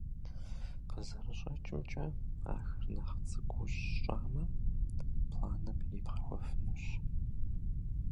КъызэрыщӀэкӀымкӀэ, ахэр нэхъ цӀыкӀуу щӀамэ, планым ибгъэхуэфынущ.